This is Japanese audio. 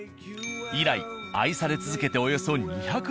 以来愛され続けておよそ２００年。